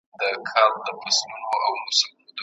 او نه بېلېدونکي دي.